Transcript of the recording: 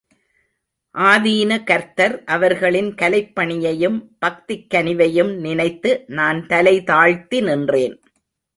ஆதீன கர்த்தர் அவர்களின் கலைப்பணியையும் பக்திக் கனிவையும் நினைத்து நான் தலை தாழ்த்தி நின்றேன்.